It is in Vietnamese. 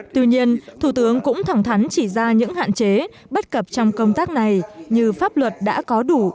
tuy nhiên thủ tướng cũng thẳng thắn chỉ ra những hạn chế bất cập trong công tác này như pháp luật đã có đủ